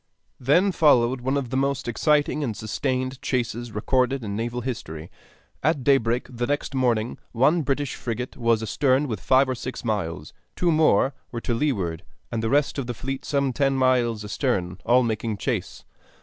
Then followed one of the most exciting and sustained chases recorded in naval history. At daybreak the next morning one British frigate was astern within five or six miles, two more were to leeward, and the rest of the fleet some ten miles astern, all making chase.